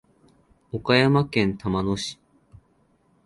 岡山県玉野市